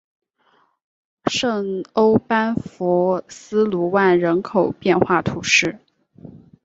圣欧班福斯卢万人口变化图示